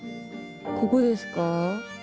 ここですか？